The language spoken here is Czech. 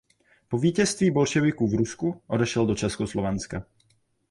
Po vítězství bolševiků v Rusku odešel do Československa.